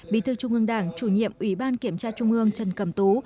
bí thư trung ương đảng chủ nhiệm ủy ban kiểm tra trung ương trần cầm tú